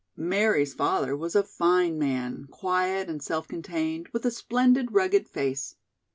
Mary's father was a fine man, quiet and self contained, with a splendid rugged face.